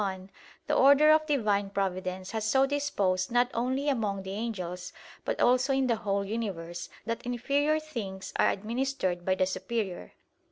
1), the order of Divine Providence has so disposed not only among the angels, but also in the whole universe, that inferior things are administered by the superior.